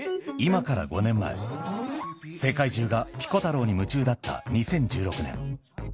今から５年前、世界中がピコ太郎に夢中だった２０１６年。